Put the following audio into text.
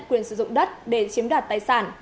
quyền sử dụng đất để chiếm đoạt tài sản